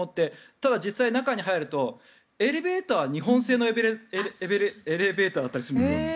ただ、実際中に入るとエレベーターは日本製のエレベーターだったりするんですよ。